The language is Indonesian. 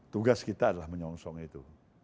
tugas kita adalah menyongsong itu